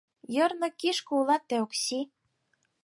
Йырнык кишке улат тый, Окси!